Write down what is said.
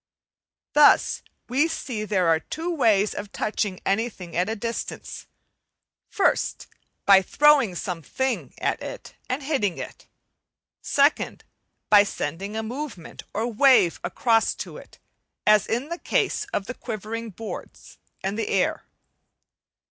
Thus we see there are two ways of touching anything at a distance; 1st, by throwing some thing at it and hitting it; 2nd, by sending a movement of wave across to it, as in the case of the quivering boards and the air.